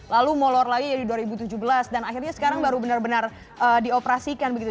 lalu molor lagi dari dua ribu tujuh belas dan akhirnya sekarang baru benar benar dioperasikan begitu